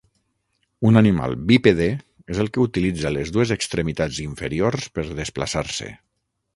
Un animal bípede és el que utilitza les dues extremitats inferiors per desplaçar-se.